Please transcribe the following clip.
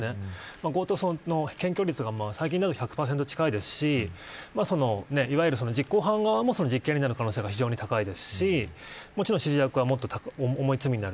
強盗は、検挙率が最近だと１００％近いですしいわゆる実行犯側も実刑の可能性が高いですしもちろん指示役は重い罪になる。